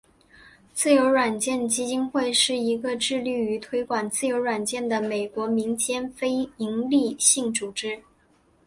自由软件基金会是一个致力于推广自由软件的美国民间非营利性组织。